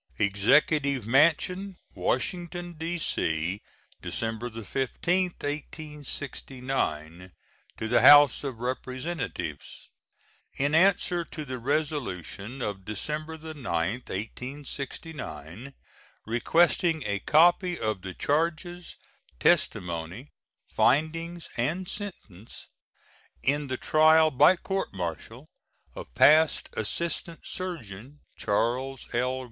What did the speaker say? EXECUTIVE MANSION, Washington, D.C., December 15, 1869. To the House of Representatives: In answer to the resolution of December 9, 1869, requesting a copy of the charges, testimony, findings, and sentence in the trial by court martial of Passed Assistant Surgeon Charles L.